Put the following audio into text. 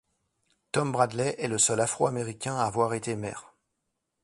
Tom Bradley est le seul Afro-Américain à avoir été maire.